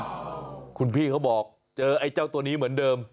คุณพี่เขาบอกเจอไอ้เจ้าตัวนี้เหมือนเดิม